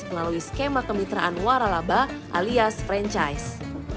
melalui skema kemitraan waralaba alias franchise